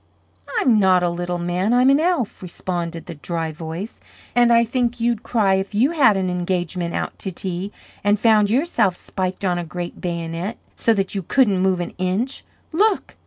"I'm not a little man. I'm an elf," responded the dry voice; "and I think you'd cry if you had an engagement out to tea, and found yourself spiked on a great bayonet, so that you couldn't move an inch. Look!"